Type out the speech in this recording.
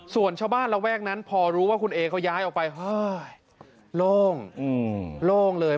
ส่วนชาวบ้านระแวกนั้นพอรู้ว่าคุณเอเขาย้ายออกไปเฮ้ยโล่งโล่งเลย